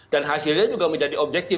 dan hasilnya juga menjadi objektif